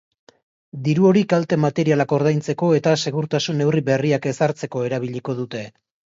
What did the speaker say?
Diru hori kalte-materialak ordaintzeko eta segurtasun neurri berriak ezartzeko erabiliko dute.